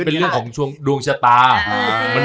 ความเสี่ยงมันน้อยลง